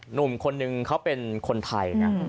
หนุ่มคนนึงเขาเป็นคนไทยนะ